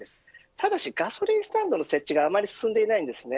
ただガソリンスタンドの設置があまり進んでいないんですね。